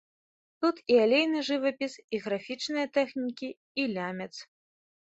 Тут і алейны жывапіс, і графічныя тэхнікі, і лямец.